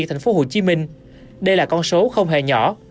thành phố hồ chí minh đây là con số không hề nhỏ